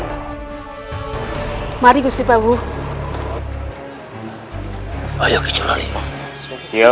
hai mari musti pabu ayo kecuali ya